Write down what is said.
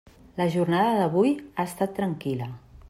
La jornada d'avui ha estat tranquil·la.